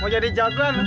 mau jadi jawaban